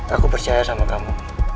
aku percaya sama kamu